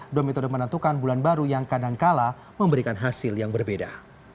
dua metode menentukan bulan baru yang kadangkala memberikan hasil yang berbeda